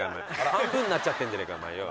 半分になっちゃってんじゃねえかお前よ。